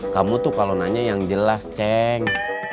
kamu tuh kalau nanya yang jelas ceng